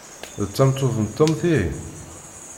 D tameṭṭut n Tom, tihin?